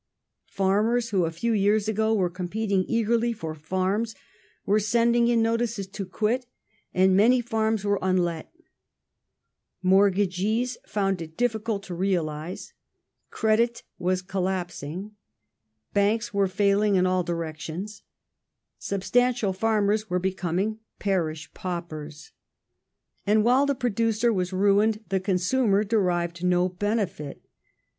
^ Farmers, who a few years ago were competing eagerly for farms, were sending in notices to quit, and many farms vrere unlet ; mortgagees found it difficult to realize ; credit was collaps ing ; Banks were failing in all directions ; substantial farmers were becoming parish paupers. And while the producer was ruined the consumer derived no benefit.